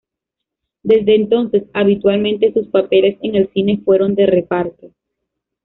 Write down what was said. Desde entonces, habitualmente sus papeles en el cine fueron de reparto.